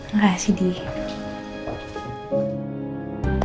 nggak sih din